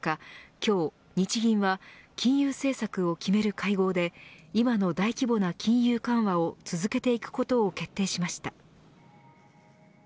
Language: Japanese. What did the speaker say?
今日、日銀は金融政策を決める会合で今の大規模な金融緩和を続けていくことを決定しました。